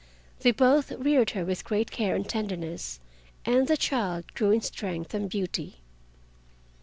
They both reared her with great care and tenderness, and the child grew in strength and beauty.